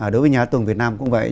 đối với nhà hát tù việt nam cũng vậy